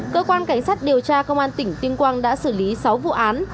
cơ quan cảnh sát điều tra công an tỉnh tuyên quang đã xử lý sáu vụ án